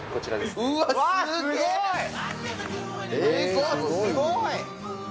すごい！